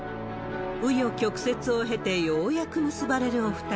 う余曲折を経て、ようやく結ばれるお２人。